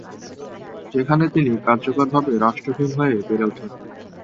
সেখানে তিনি কার্যকরভাবে রাষ্ট্রহীন হয়ে বেড়ে ওঠেন।